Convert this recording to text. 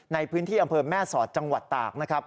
ในพื้นที่อำเภอแม่สอดจังหวัดตากนะครับ